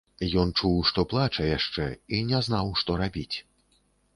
Ён чуў, што плача яшчэ, і не знаў, што рабіць.